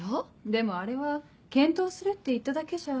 でもあれは検討するって言っただけじゃ？